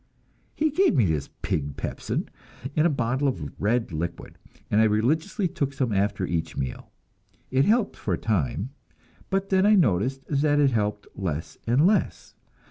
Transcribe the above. He gave me this pig pepsin in a bottle of red liquid, and I religiously took some after each meal. It helped for a time; but then I noticed that it helped less and less.